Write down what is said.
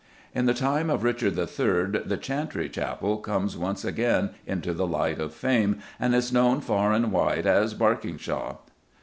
In the time of Richard III. the chantry chapel comes once again into the light of fame, and is known far and wide as "Berkingshaw."